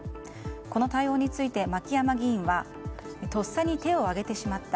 この対応について牧山議員はとっさに手を挙げてしまった。